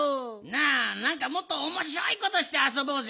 なあなんかもっとおもしろいことしてあそぼうぜ！